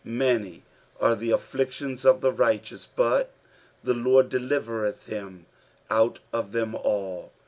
19 Many are the afflictions of the righteous : but the LORD delivereth him out of them all.